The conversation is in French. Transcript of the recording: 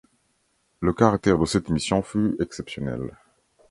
Le caractère de cette mission fut exceptionnel.